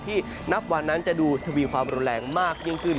นับวันนั้นจะดูทวีความรุนแรงมากยิ่งขึ้น